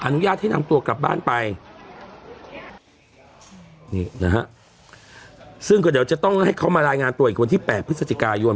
อนุญาตให้นำตัวกลับบ้านไปนี่นะฮะซึ่งก็เดี๋ยวจะต้องให้เขามารายงานตัวอีกวันที่แปดพฤศจิกายน